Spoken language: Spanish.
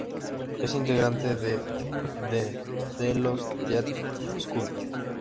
Es integrante de The Delos Theatre School.